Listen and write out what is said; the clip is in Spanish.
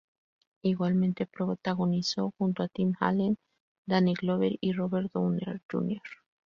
Igualmente, protagonizó junto a Tim Allen, Danny Glover y Robert Downey Jr.